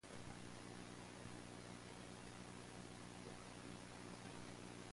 The wines produced are therefore balanced and fresh.